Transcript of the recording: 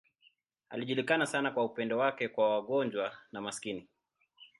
Alijulikana sana kwa upendo wake kwa wagonjwa na maskini.